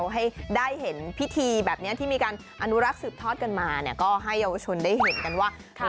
ให้ได้เห็นพิธีแบบนี้ที่มีการอนุรักษ์สืบทอดกันมาก็ให้เยาวชนได้เห็นกันว่า